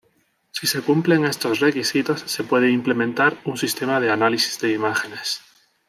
Si se cumplen estos requisitos, se puede implementar un sistema de análisis de imágenes.